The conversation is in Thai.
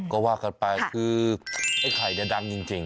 ก็ว่ากันไปคือไอ้ไข่เนี่ยดังจริง